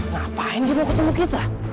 ngapain dia mau ketemu kita